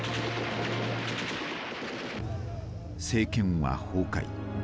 政権は崩壊。